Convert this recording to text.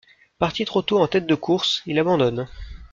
Parti trop tôt en tête de course, il abandonne.